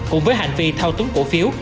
cùng với hành vi thao túng cổ phiếu